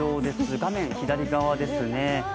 画面左側ですね。